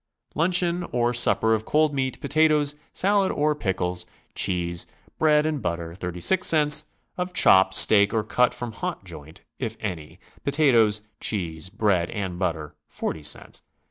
Luncheon or supper of cold meat, potatoes, salad or pickles, cheese, bread and butter, 36 cts.; of chop, steak or cut from hot joint (if any), potatoes, cheese, bread and butter, 40 cts.